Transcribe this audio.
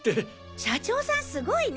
社長さんすごいね！